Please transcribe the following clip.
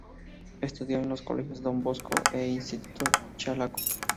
Estudió en los colegios Don Bosco e Instituto Chalaco.